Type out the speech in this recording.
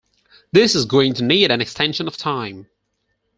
This is going to need an extension of time.